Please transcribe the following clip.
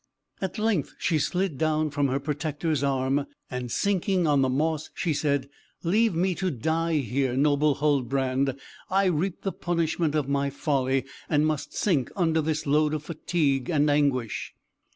At length she slid down from her protector's arm, and sinking on the moss, she said: "Leave me to die here, noble Huldbrand; I reap the punishment of my folly, and must sink under this load of fatigue and anguish."